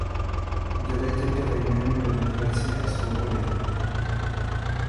Udělejte to ve jménu demokracie a svobody.